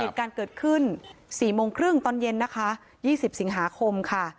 เหตุการณ์เกิดขึ้น๔โมงครึ่งตอนเย็นนะคะ๒๐สิงหาคมค่ะ